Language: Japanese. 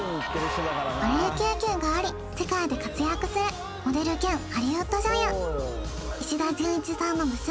バレエ経験があり世界で活躍するモデル兼ハリウッド女優石田純一さんの娘